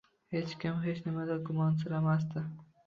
Hech kim hech nimadan gumonsiramasdi